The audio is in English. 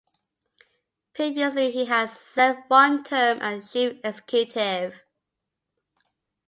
Previously he had served one term as Chief Executive.